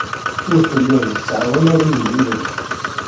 Ur telliḍ tettɛawaneḍ igellilen.